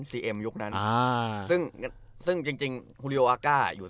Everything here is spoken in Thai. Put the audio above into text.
เอ็มยุคนั้นอ่าซึ่งซึ่งจริงจริงฮูริโออาก้าอยู่